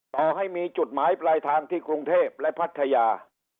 ต่อให้มีจุดหมายปลายทางที่กรุงเทพและพัทยา